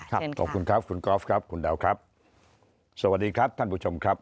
เชิญค่ะคุณกรอฟครับคุณแดวครับสวัสดีครับท่านผู้ชมครับ